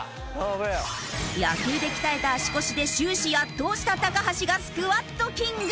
野球で鍛えた足腰で終始圧倒した橋がスクワットキング。